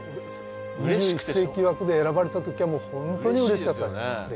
２１世紀枠で選ばれた時は本当にうれしかったです。